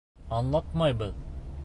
Аңлатмайбыҙ!